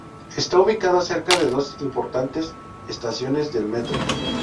Está ubicada cerca de dos importantes estaciones de metro.